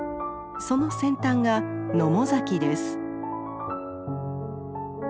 その先端が野母崎です。